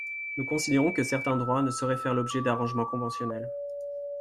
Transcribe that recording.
Nous considérons que certains droits ne sauraient faire l’objet d’arrangements conventionnels.